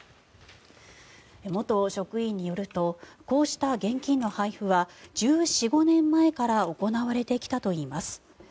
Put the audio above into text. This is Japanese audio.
元職員によるとこうした現金の配布は１４１５年前から行われてきたといいます。